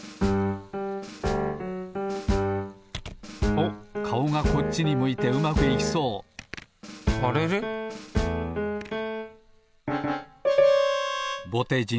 おっかおがこっちに向いてうまくいきそうぼてじん